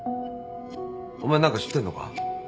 お前何か知ってんのか？